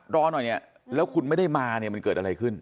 รอหน่อยเนี่ยแล้วคุณไม่ได้มาเนี่ยมันเกิดอะไรขึ้น